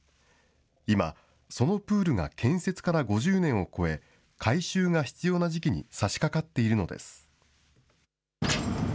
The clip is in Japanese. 今、そのプールが建設から５０年を超え、改修が必要な時期にさしかかっているのです。